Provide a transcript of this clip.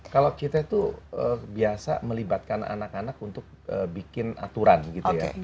kalau kita itu biasa melibatkan anak anak untuk bikin aturan gitu ya